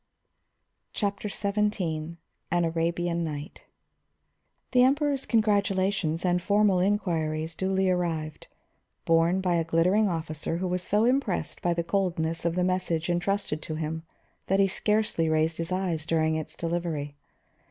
CHAPTER XVII AN ARABIAN NIGHT The Emperor's congratulations and formal inquiries duly arrived, borne by a glittering officer who was so impressed by the coldness of the message intrusted to him that he scarcely raised his eyes during its delivery.